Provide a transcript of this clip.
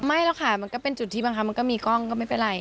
ไม่หรอกค่ะมันก็เป็นจุดที่บางครั้งมันก็มีกล้องก็ไม่เป็นไร